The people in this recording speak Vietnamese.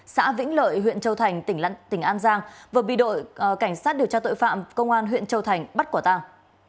xã vĩnh lợi huyện châu thành tỉnh an giang vừa bị đội cảnh sát điều tra tội phạm công an huyện châu thành bắt quả tàng